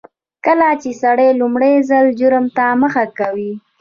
کله چې سړی لومړي ځل جرم ته مخه کوي.